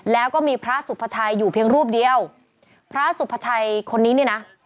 แล้วก็มีพระสุภาชัยอยู่เพียงรูปเดียวพระสุภาชัยคนนี้เนี่ยนะ